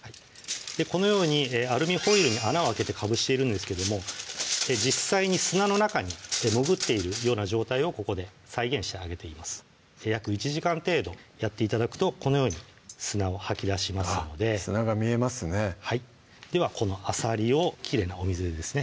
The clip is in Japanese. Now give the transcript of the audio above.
このようにアルミホイルに穴を開けてかぶしているんですけども実際に砂の中に潜っているような状態をここで再現してあげています約１時間程度やって頂くとこのように砂を吐き出しますので砂が見えますねではこのあさりをきれいなお水でですね